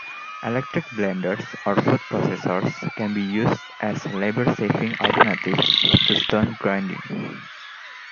Electric blenders or food processors can be used as labor-saving alternatives to stone grinding.